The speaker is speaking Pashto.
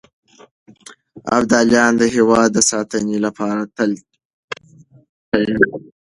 ابداليان د هېواد د ساتنې لپاره تل تيار دي.